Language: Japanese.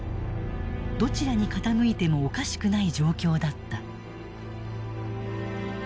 どちらに傾いてもおかしくない状況だった。